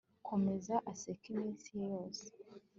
komeza aseke iminsi ye yose